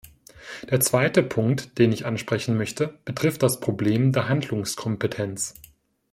Der zweite Punkt, den ich ansprechen möchte, betrifft das Problem der Handlungskompetenz.